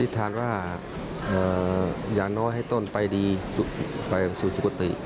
ทานว่าอย่างน้อยให้ต้นไปดีไปสู่สุขติ